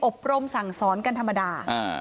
อบรมสั่งสอนกันธรรมดา